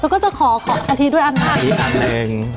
ขอกะทิด้วยอันนั้น